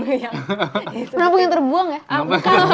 menampung yang terbuang ya